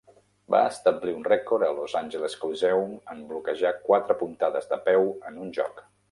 Va establir un rècord al Los Angeles Coliseum en bloquejar quatre puntades de peu en un joc.